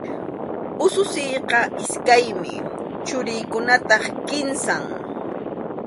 Ususiyqa iskaymi, churiykunataq kimsam.